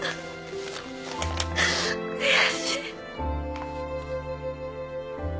悔しい。